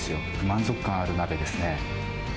満足感ある鍋ですね。